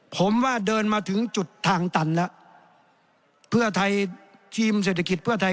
ผมว่าเดินมาถึงจุดทางตันแล้วเพื่อไทยทีมเศรษฐกิจเพื่อไทย